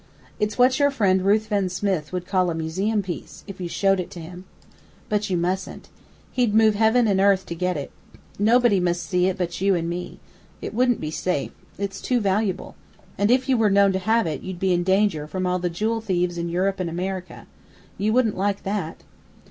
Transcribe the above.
It's what your friend Ruthven Smith would call a 'museum piece,' if you showed it to him. But you mustn't. He'd move heaven and earth to get it! Nobody must see it but you and me. It wouldn't be safe. It's too valuable. And if you were known to have it, you'd be in danger from all the jewel thieves in Europe and America. You wouldn't like that."